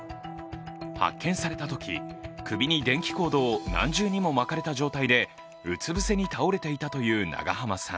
発見されたとき首に電気コードを何重にも巻かれた状態でうつ伏せに倒れていたという長濱さん。